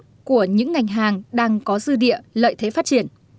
rất lớn của những ngành hàng đang có dư địa lợi thế phát triển